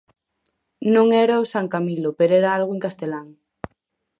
Non era o San Camilo, pero era algo en castelán.